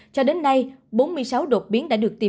cho đến nay bốn mươi sáu đột biến đã được tìm